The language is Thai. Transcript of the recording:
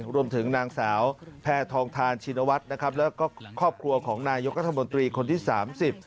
รวมถึงนางสาวแพทองทานชินวัฒน์นะครับแล้วก็ครอบครัวของนายกรัฐมนตรีคนที่สามสิบ